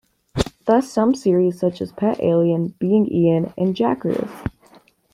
Thus some series, such as "Pet Alien", "Being Ian", and "Jakers!